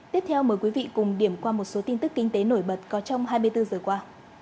tiếp theo mời quý vị cùng điểm qua một số tin tức kinh tế nổi bật có trong hai mươi bốn giờ qua